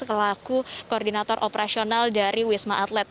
selaku koordinator operasional dari wisma atlet